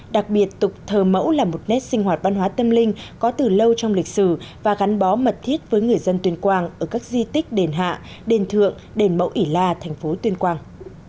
đặc biệt tục thờ mẫu là một nét sinh hoạt văn hóa tâm linh có từ lâu trong lịch sử và gắn bó mật thiết với người dân tuyên quang ở các di tích đền hạ đền thượng đền mẫu ỉ la thành phố tuyên quang